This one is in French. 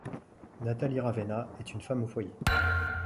Natalie Ravenna est femme au foyer.